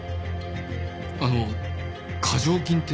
あの過剰金って？